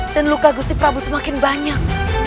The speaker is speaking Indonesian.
dan luka gusri prabu semakin banyak